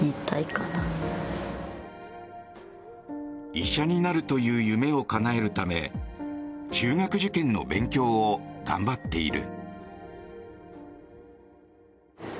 医者になるという夢をかなえるため中学受験の勉強を頑張っている。